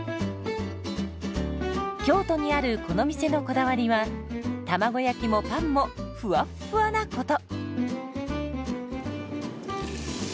京都にあるこの店のこだわりは卵焼きもパンもふわっふわなこと。